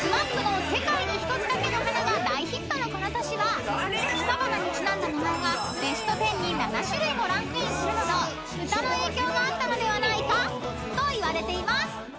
［のこの年は草花にちなんだ名前がベスト１０に７種類もランクインするなど歌の影響があったのではないかといわれています］